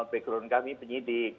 background kami penyidik